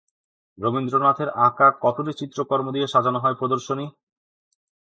রবীন্দ্রনাথের আঁকা কতটি চিত্রকর্ম দিয়ে সাজানো হয় প্রদর্শনী?